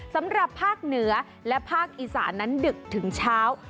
สำหรับภาคเหนือและภาคอีสานั้นดึกถึงเช้า